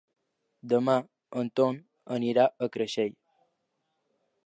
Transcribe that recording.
Demà en Ton anirà a Creixell.